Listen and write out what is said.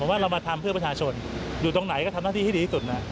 ว่าเรามาทำเพื่อประชาชนอยู่ตรงไหนก็ทำหน้าที่ให้ดีที่สุดนะ